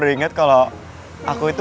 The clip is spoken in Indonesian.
jadi gue pasang kalau lo yakin kok